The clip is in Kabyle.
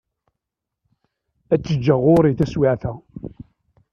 Ad tt-ǧǧeɣ ɣur-i taswiεt-a.